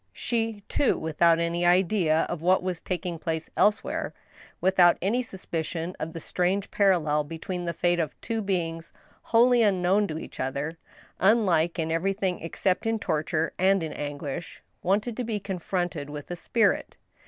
She, too, without any idea of what was taking place elsewhere, without any suspicion of the strange parallel between the fate of two beings wholly unknown to each other, unlike in everything except in torture and in anguish, wanted to be confronted with a spirit.